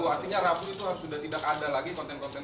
artinya rapuh itu sudah tidak ada lagi konten konten